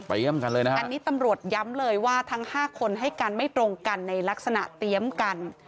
กันเลยนะฮะอันนี้ตำรวจย้ำเลยว่าทั้ง๕คนให้กันไม่ตรงกันในลักษณะเตรียมกัน